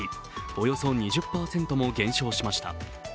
およそ２０％も減少しました。